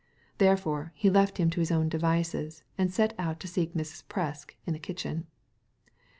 Therefore, he left him to his own devices, and set out to seek Mrs. Fresk in the kitchen.